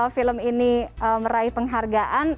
film ini meraih penghargaan